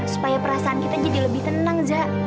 supaya perasaan kita jadi lebih tenang za